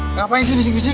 ngapain sih bisik bisik